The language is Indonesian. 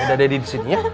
udah daddy disini ya